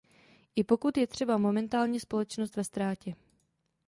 I pokud je třeba momentálně společnost ve ztrátě.